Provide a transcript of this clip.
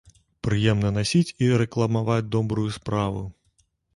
Прыемна насіць і рэкламаваць добрую справу.